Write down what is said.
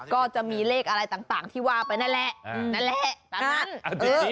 ก็จะมีเลขอะไรต่างที่ว่าไปนั่นแหละนั่นแหละตามนั้น